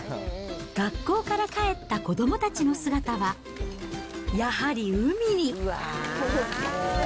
学校から帰った子どもたちの姿は、やはり海に。